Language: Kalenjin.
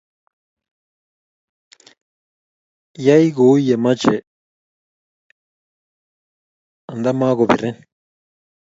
Yei kou ya meche anta mukupirin